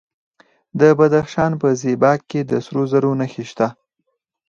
د بدخشان په زیباک کې د سرو زرو نښې شته.